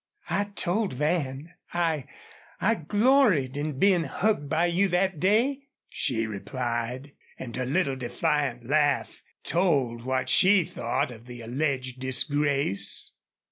"I told Van I I gloried in being hugged by you that day," she replied, and her little defiant laugh told what she thought of the alleged disgrace.